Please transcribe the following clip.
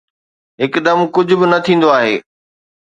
هڪدم ڪجهه به نه ٿيندو آهي